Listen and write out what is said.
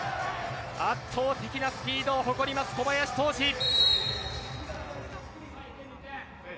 圧倒的なスピードを誇ります小林柊司。